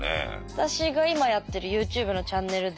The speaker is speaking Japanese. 私が今やってるＹｏｕＴｕｂｅのチャンネルで。